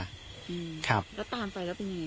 แล้วตามไปแล้วเป็นยังไงครับ